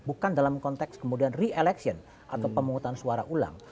bukan dalam konteks kemudian re election atau pemungutan suara ulang